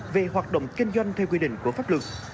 về hoạt động kinh doanh theo quy định của pháp luật